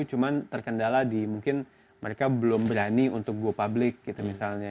cuma terkendala di mungkin mereka belum berani untuk go public gitu misalnya